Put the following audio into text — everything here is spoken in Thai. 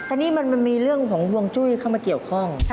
อันนี้มันมีเรื่องของฮวงจุ้ยเข้ามาเกี่ยวข้อง